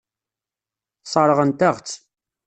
Sseṛɣent-aɣ-tt.